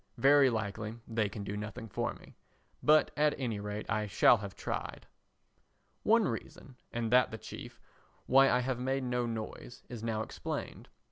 Very likely they can do nothing for me, but at any rate I shall have tried. One reason, and that the chief, why I have made no noise, is now explained.